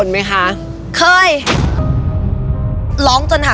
มีความรักของเรา